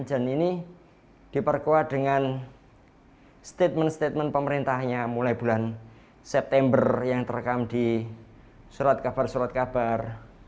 dan ini diperkuat dengan statement statement pemerintahnya mulai bulan september yang terekam di surat kabar surat kabar